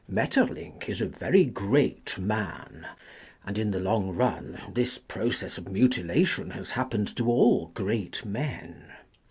Maeterlinck is a very great man ; and in the long run this process of mutilation has happened to all great men.